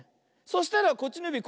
そしたらこっちのゆび